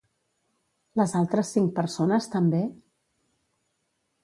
Les altres cinc persones també?